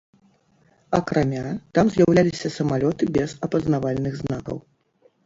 Акрамя там з'яўляліся самалёты без апазнавальных знакаў.